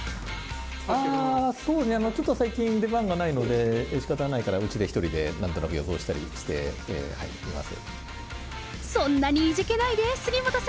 そうね、ちょっと最近出番がないので、しかたがないからうちで１人でなんとなく予想したりしています。